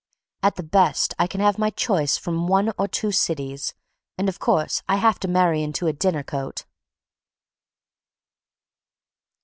At the best I can have my choice from one or two cities and, of course, I have to marry into a dinner coat.